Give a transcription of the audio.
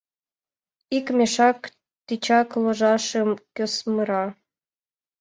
Ик мешак тичак ложашым кӧсмыра!..»